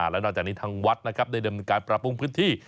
และนอกจากนี้ทางวัดเราการปรับปรุงพื้นที่